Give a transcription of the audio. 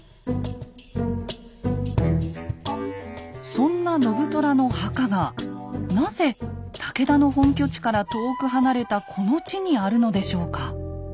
そんな信虎の墓がなぜ武田の本拠地から遠く離れたこの地にあるのでしょうか？